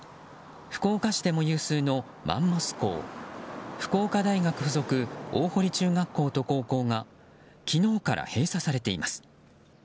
福岡市でも有数のマンモス校福岡大学附属大濠中学校と高校が昨日から閉鎖されています。